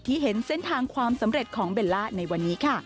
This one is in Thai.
เห็นเส้นทางความสำเร็จของเบลล่าในวันนี้ค่ะ